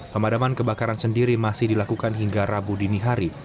pemadaman kebakaran sendiri masih dilakukan hingga rabu dini hari